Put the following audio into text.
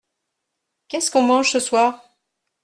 Qu’est-ce qu’on mange ce soir ?